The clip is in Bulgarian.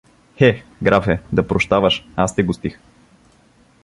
— Хе, графе, да прощаваш, аз те гостих.